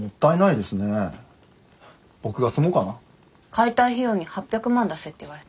解体費用に８００万出せって言われて。